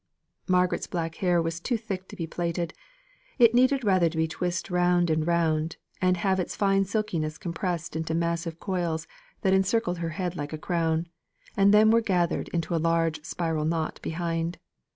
Margaret's black hair was too thick to be plaited; it needed rather to be twisted round and round, and have its fine silkiness compressed into massive coils, that encircled her head like a crown, and then were gathered into a large spiral knot behind.